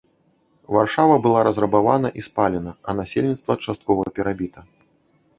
Варшава была разрабавана і спалена, а насельніцтва часткова перабіта.